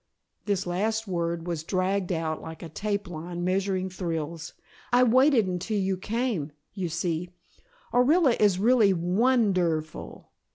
This last word was dragged out like a tape line measuring thrills. "I waited until you came you see, Orilla is really won der ful.